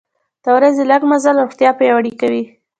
د ورځې لږه مزل روغتیا پیاوړې کوي.